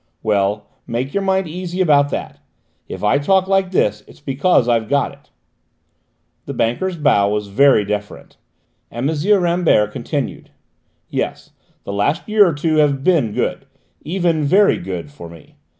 Well, make your mind easy about that; if I talk like this, it's because I've got it." The banker's bow was very deferent, and M. Rambert continued: "Yes, the last year or two have been good, even very good, for me.